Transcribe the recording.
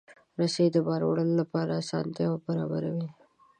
رسۍ د بار وړلو لپاره اسانتیا برابروي.